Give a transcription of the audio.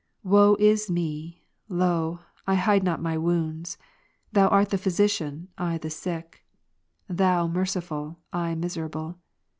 Woe is me ! lo ! I hide not my wounds ; Thou art the Phy sician, I the sick; Thou merciful, I miserable.